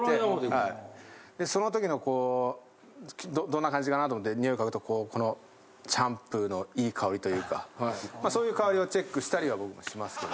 そのときのこうどんな感じかなと思って匂い嗅ぐとこのシャンプーのいい香りというかそういう香りをチェックしたりは僕もしますけど。